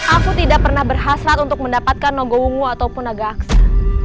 aku tidak pernah berhasrat untuk mendapatkan nogowongo ataupun naga aksa